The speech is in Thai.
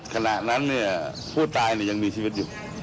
ขณะนั้นเนี่ยผู้ตายยังมีชีวิตอยู่